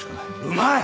うまい！